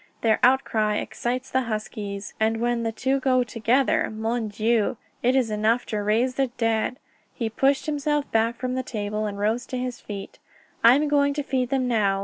"Their outcry excites the huskies, and when the two go together Mon Dieu! it is enough to raise the dead." He pushed himself back from the table and rose to his feet. "I am going to feed them now.